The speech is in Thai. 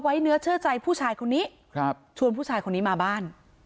เนื้อเชื่อใจผู้ชายคนนี้ครับชวนผู้ชายคนนี้มาบ้าน